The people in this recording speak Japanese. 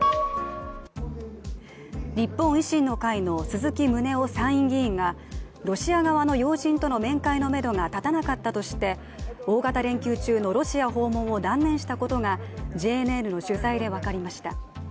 日本維新の会の鈴木宗男参院議員がロシア側の要人との面会のめどが立たなかったとして大型連休中のロシア訪問を断念したことがＪＮＮの取材で分かりました。